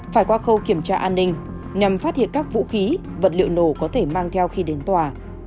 phải qua khâu kiểm tra an ninh nhằm phát hiện các vũ khí vật liệu nổ có thể mang theo khi đến tòa